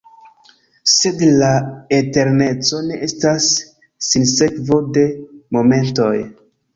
Sed la eterneco ne estas sinsekvo de momentoj!